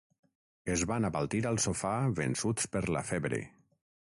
Es van abaltir al sofà vençuts per la febre.